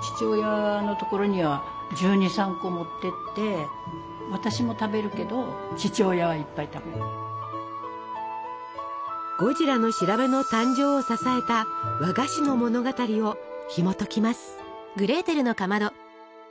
父親の所には私も食べるけどゴジラの調べの誕生を支えた和菓子の物語をひもときます。